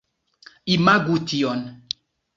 Imagu tion.